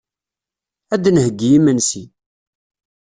Ad d-nheyyi imensi.